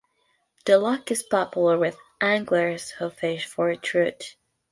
The loch is popular with anglers who fish for trout.